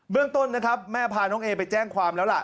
เรื่องต้นนะครับแม่พาน้องเอไปแจ้งความแล้วล่ะ